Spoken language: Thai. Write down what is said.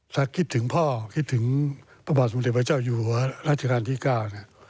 จะคิดถึงพ่อคิดถึงประบาทสมดิตพระเจ้าอยู่หัวราชกรานตรีกล้า